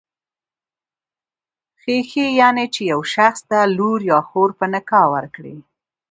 خېښي، يعنی چي يو شخص ته لور يا خور په نکاح ورکي.